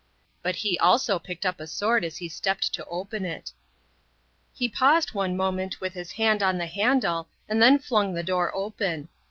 But he also picked up a sword as he stepped to open it. He paused one moment with his hand on the handle and then flung the door open.